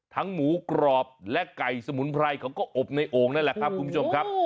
หมูกรอบและไก่สมุนไพรเขาก็อบในโอ่งนั่นแหละครับคุณผู้ชมครับ